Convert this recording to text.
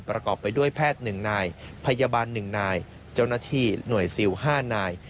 ประกอบไปด้วยแพทย์๑นายพยาบาล๑นายเจ้าหน้าที่หน่วยซิล๕นาย